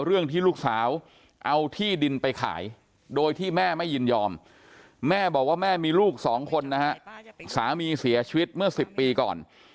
เรื่องที่ลูกสาวเอาที่ดินไปขายโดยที่แม่ไม่ยินยอมแม่บอกว่าแม่มีลูกสองคนนะฮะสามีเสียชีวิตเมื่อ๑๐ปีก่อน